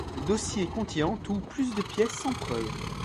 Le dossier contient en tout plus de pièces sans preuve.